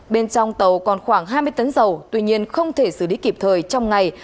bên trong tàu còn khoảng hai mươi tấn dầu tuy nhiên không thể xử lý kịp thời trong ngày